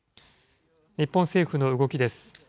日本政府の動きです。